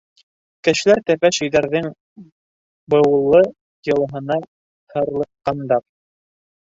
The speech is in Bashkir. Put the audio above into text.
Кешеләр тәпәш өйҙәрҙең быулы йылыһына һырлыҡҡандар.